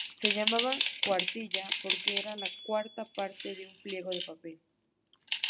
Se llamaba "cuartilla" porque era la cuarta parte de un pliego de papel.